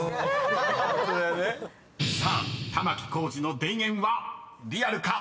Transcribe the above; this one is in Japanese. ［さあ玉置浩二の『田園』はリアルか？